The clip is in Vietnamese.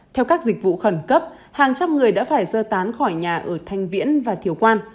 theo các dịch vụ khẩn cấp hàng trăm người đã phải sơ tán khỏi nhà ở thanh viễn và thiểu quan